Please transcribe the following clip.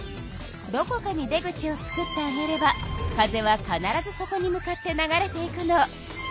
どこかに出口をつくってあげれば風は必ずそこに向かって流れていくの。